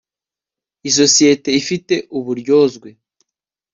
isosiyete ifite uburyozwe